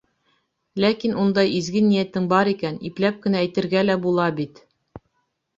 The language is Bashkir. Ләкин ундай изге ниәтең бар икән, ипләп кенә әйтергә лә була бит.